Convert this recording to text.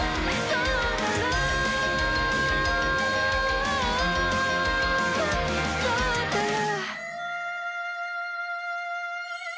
「そうだろ？」